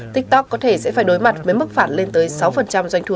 tiktok có thể sẽ phải đối mặt với mức phản lên tới sáu doanh thu